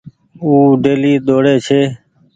او ڊيلي ۮوڙي ڇي۔